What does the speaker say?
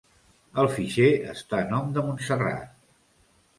El fitxer està a nom de Montserrat.